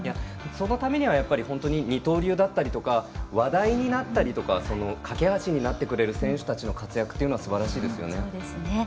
そのためには二刀流だったりとか話題になったりとか架け橋になってくれる選手たちの活躍というのはすばらしいですね。